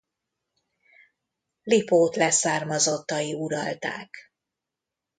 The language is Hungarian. Lipót leszármazottai uralták.